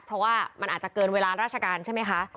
เพราะว่ามันอาจจะเกินเวลาราชการใช่ไหมคะ